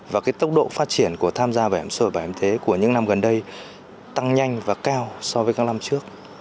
và tốc độ phát triển của tham gia bảo hiểm xã hội bảo hiểm y tế của những năm gần đây tăng nhanh và cao so với các năm trước